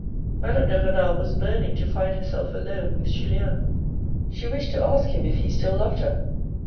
Madame de Renal was burning to find herself alone with Julien. She wished to ask him if he still loved her.